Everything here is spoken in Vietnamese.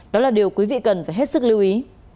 đó là điều quý vị cần phải hết sức lưu ý